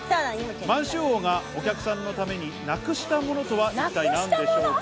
満州王がお客さんのためになくしたものとは一体何でしょうか？